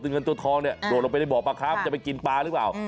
เงินตัวทองเนี่ยโดดลงไปในบ่อปลาครับจะไปกินปลาหรือเปล่า